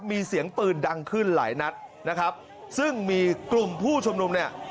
มีเสียงปืนดังขึ้นหลายนัดนะครับซึ่งมีกลุ่มผู้ชุมนุมเนี่ย